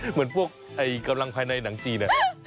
เหมือนพวกกำลังภายในหนังจีน